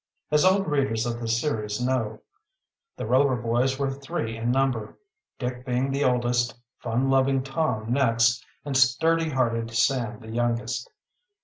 As old readers of this series know, the Rover boys were three in number, Dick being the oldest, fun loving Tom next, and sturdy hearted Sam the youngest.